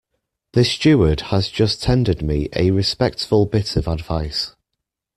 The steward has just tendered me a respectful bit of advice.